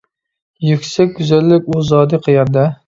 يۈكسەك گۈزەللىك ئۇ زادى قەيەردە؟ !